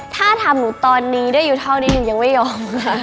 ถ้าถามหนูตอนนี้ได้อยู่เท่านี้หนูยังไม่ยอม